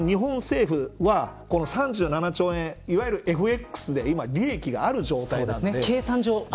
日本政府は３７兆円いわゆるＦＸで利益がある状態なんです。